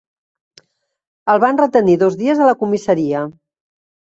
El van retenir dos dies a la comissaria.